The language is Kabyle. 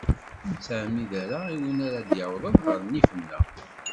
Ur nettɛemmid ara i win ara ad d-yawḍen ɣer nnif-nneɣ.